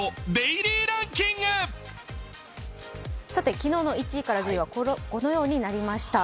昨日の１位から１０位はこのようになりました。